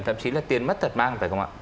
thậm chí là tiền mất tật mang phải không ạ